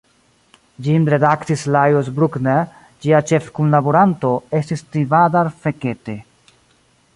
Ĝin redaktis Lajos Bruckner, ĝia ĉefkunlaboranto estis Tivadar Fekete.